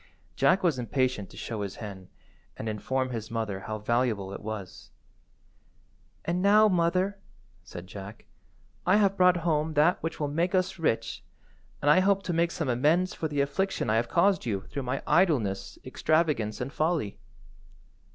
Jack was impatient to show his hen, and inform his mother how valuable it was. "And now, mother," said Jack, "I have brought home that which will make us rich, and I hope to make some amends for the affliction I have caused you through my idleness, extravagance, and folly."